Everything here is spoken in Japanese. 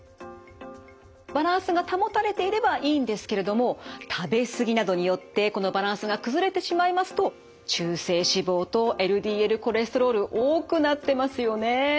バランスが保たれていればいいんですけれども食べ過ぎなどによってこのバランスが崩れてしまいますと中性脂肪とＬＤＬコレステロール多くなってますよね。